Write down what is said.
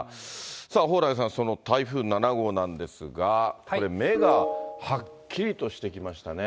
さあ、蓬莱さん、その台風７号なんですが、これ、目がはっきりとしてきましたね。